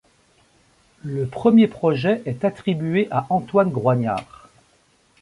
Le premier projet est attribué à Antoine Groignard.